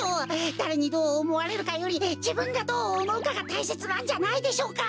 だれにどうおもわれるかよりじぶんがどうおもうかがたいせつなんじゃないでしょうか？